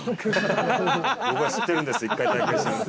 僕は知ってるんです１回体験してるんで。